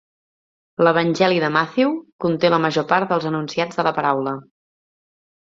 L'evangeli de Matthew conté la major part dels enunciats de la paraula.